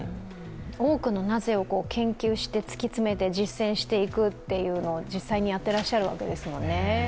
多くの「なぜ」を研究して突き詰めて実践していくというのを実際にやっていらっしゃるわけでしょうしね。